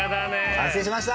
完成しました！